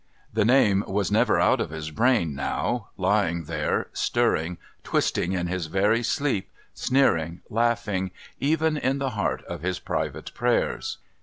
The name was never out of his brain now, lying there, stirring, twisting in his very sleep, sneering, laughing even in the heart of his private prayers.